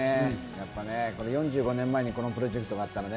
やっぱね４５年前にこのプロジェクトがあったらね